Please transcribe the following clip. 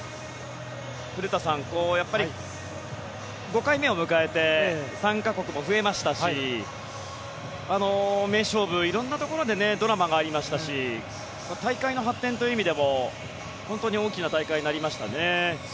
古田さん、やっぱり５回目を迎えて参加国も増えましたし名勝負、色んなところでドラマがありましたし大会の発展という意味でも本当に大きな大会になりましたね。